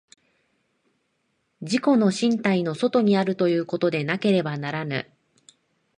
自己の身体の外にあるということでなければならぬ。